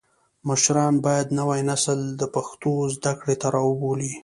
مشران باید نوی نسل د پښتو زده کړې ته راوبولي.